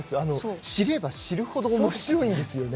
知れば知るほどおもしろいんですよね。